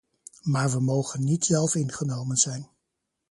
Maar we mogen niet zelfingenomen zijn.